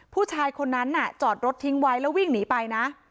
ผู้ชายคนนั้นน่ะจอดรถทิ้งไว้แล้ววิ่งหนีไปนะ